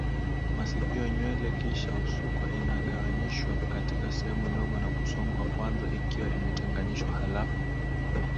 masikio Nywele kisha husukwa inagawanyishwa katika sehemu ndogo na kusongwa kwanza ikiwa imetenganishwa halafu